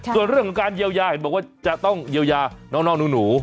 ส่วนเรื่องของการเยียวยาเห็นบอกว่าจะต้องเยียวยาน้องหนู